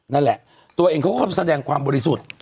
นั่นแหละตัวเองเขาก็แสดงความบริสุทธิ์